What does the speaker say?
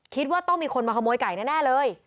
คิดว่าต้องมีคนมาขโมยไก่แน่เลย